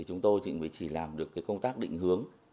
chúng tôi chỉ làm được công tác định hướng